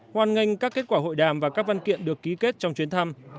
hoàn nghênh các kết quả hội đàm và các văn kiện được ký kết trong chuyến thăm